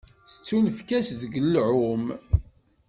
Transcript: Tettunefk-as deg lεum.